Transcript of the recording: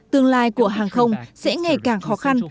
tương lai của hàng không sẽ ngày càng khó khăn